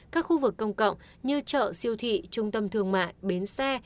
các khu vực công cộng như chợ siêu thị trung tâm thương mại bến xe